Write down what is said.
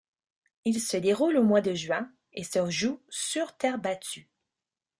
Il se déroule au mois de juin et se joue sur terre battue.